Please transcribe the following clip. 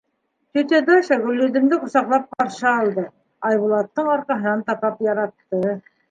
Тетя Даша Гөлйөҙөмдө ҡосаҡлап ҡаршы алды, Айбулаттың арҡаһынан тапап яратты.